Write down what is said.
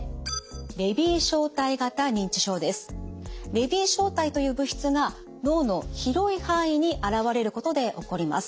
レビー小体という物質が脳の広い範囲に現れることで起こります。